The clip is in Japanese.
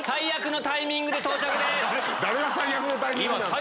誰が最悪のタイミングなんすか！